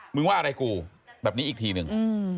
ว่าอะไรกูแบบนี้อีกทีหนึ่ง